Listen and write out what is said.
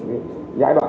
làm ngay giai đoạn một